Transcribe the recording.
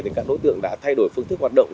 thì các đối tượng đã thay đổi phương thức hoạt động